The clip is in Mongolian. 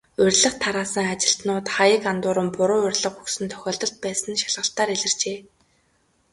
Урилга тараасан ажилтнууд хаяг андууран, буруу урилга өгсөн тохиолдол байсан нь шалгалтаар илэрчээ.